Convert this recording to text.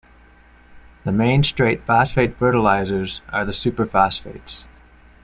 The main straight phosphate fertilizers are the superphosphates.